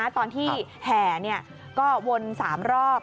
ตอนที่แห่ก็วน๓รอบ